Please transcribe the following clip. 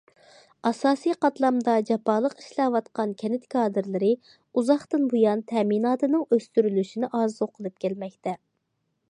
ئاساسىي قاتلامدا جاپالىق ئىشلەۋاتقان كەنت كادىرلىرى ئۇزاقتىن بۇيان تەمىناتىنىڭ ئۆستۈرۈلۈشىنى ئارزۇ قىلىپ كەلمەكتە.